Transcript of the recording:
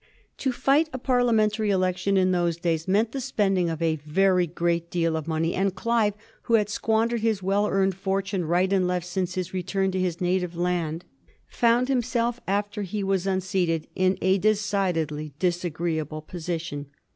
To fight a parliamentary election in those days meant the spending of a very great deal of money, and Clive, who had squandered his well earned fortune right and left since his return to his native land, found himself, after he was unseated, in a decidedly disagreeable position.